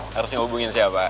harusnya hubungin siapa